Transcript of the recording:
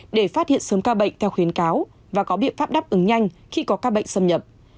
để phát hiện sớm ca bệnh theo khuyến cáo và có biện pháp đáp ứng nhanh khi có ca bệnh xâm nhập